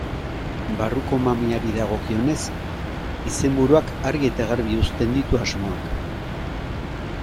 Barruko mamiari dagokionez, izenburuak argi eta garbi uzten ditu asmoak.